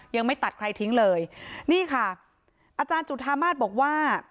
ยังไม่ตัดใครทิ้งเลยนี่ค่ะอาจารย์จุธามาศบอกว่า